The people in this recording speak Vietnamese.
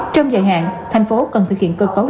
trong dài hạn thành phố cần thực hiện cơ cấu